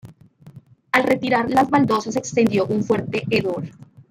Al retirar las baldosas se extendió un fuerte hedor.